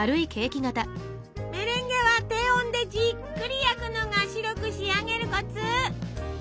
メレンゲは低温でじっくり焼くのが白く仕上げるコツ！